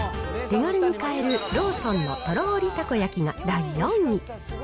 手軽に買えるローソンのとろりたこ焼が第４位に。